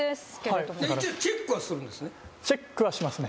一応チェックはするんですね？